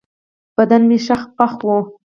بدن مې شخ پخ و.